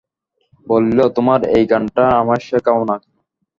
বলিল, তোমার ওই গানটা আমায় শেখাও না?